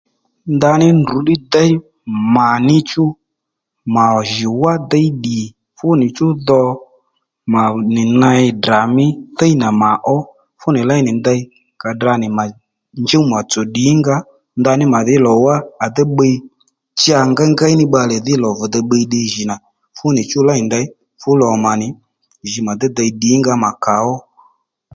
Ndaní ndrǔ ddí déy mà jì wá déy ddì fú nì chú dho mà jùw wá déy ddì fú nì chú dho mà nì ney Ddrà mí thíy nà mà ó fu nì léy nì ndèy ka tdra nì mà njúw màtsò ddìngaó ndaní mà dhí lò wá à dey bbiy cha ngeyngéy ní bbalè dhí lò vi dey bbiy ddiy jì nà fú nì chú ley ndey fú lò mà nì jǐ mà déy dey ddìngaó mà kà ó